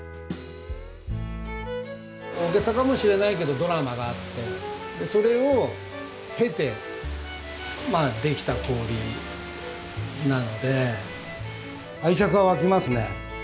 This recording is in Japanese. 大げさかもしれないけどドラマがあってそれを経てできた氷なので愛着は湧きますね。